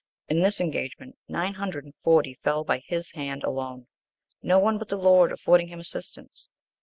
(11) In this engagement, nine hundred and forty fell by his hand alone, no one but the Lord affording him assistance.